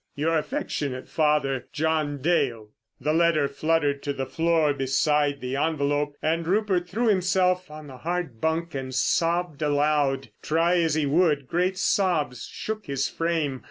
"Your affectionate father, "JOHN DALE." The letter fluttered to the floor beside the envelope and Rupert threw himself on the hard bunk and sobbed aloud. Try as he would, great sobs shook his frame.